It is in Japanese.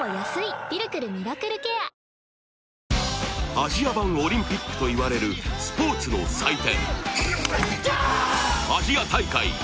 アジア版オリンピックといわれるスポーツの祭典